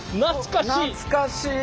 懐かしい！